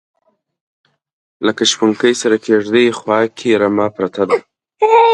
لکه شپونکي سره کیږدۍ خواکې رمه پرته ده